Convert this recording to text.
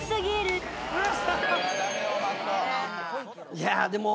いやでも。